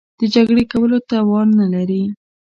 د جګړې کولو توان نه لري.